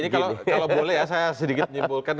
kalau boleh saya sedikit nyimpulkan